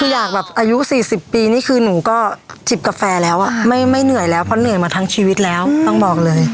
อยากอายุ๔๐ปีหนูก็จิบกาแฟแล้วไม่เหนื่อยกว่าหน่วยมาทั้งชีวิตแล้วต้องบอกเลย